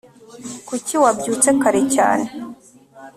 kuki wabyutse kare cyane